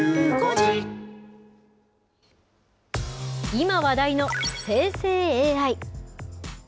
今、話題の生成ＡＩ。